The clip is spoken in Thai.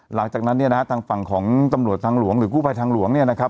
หลังจากนั้นเนี่ยนะฮะทางฝั่งของตำรวจทางหลวงหรือกู้ภัยทางหลวงเนี่ยนะครับ